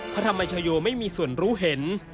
ธรรมชโยไม่มีส่วนรู้เห็น